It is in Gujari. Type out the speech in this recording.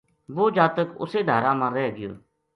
وہ جاتک اُسے ڈھارا ما رہ گیو